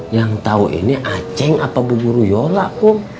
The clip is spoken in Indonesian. yang tau ini aceh apa bu guruyola kum